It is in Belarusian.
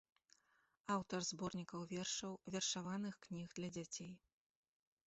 Аўтар зборнікаў вершаў, вершаваных кніг для дзяцей.